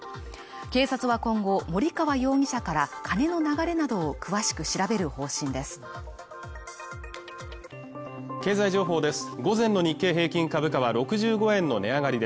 警察は今後森川容疑者から金の流れなどを詳しく調べる方針です